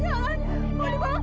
ayo kerja yang benar